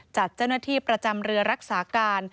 จัดเจ้าหน้าที่ประจำเรือรักษาการ